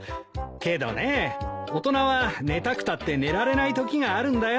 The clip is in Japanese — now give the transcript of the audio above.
けどねえ大人は寝たくたって寝られないときがあるんだよ。